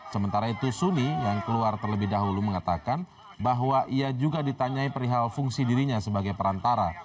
sementara itu suni yang keluar terlebih dahulu mengatakan bahwa ia juga ditanyai perihal fungsi dirinya sebagai perantara